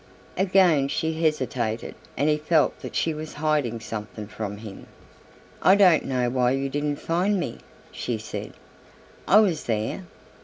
Again she hesitated and he felt that she was hiding something from him. "I don't know why you didn't find me," she said; "I was there."